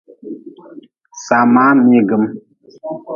Samaa miigm.